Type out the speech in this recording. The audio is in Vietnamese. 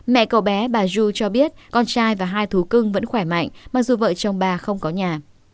mẹ cậu bé bà du cho biết con trai và hai thú cưng vẫn khỏe mạnh mặc dù vợ chồng bà không có nhà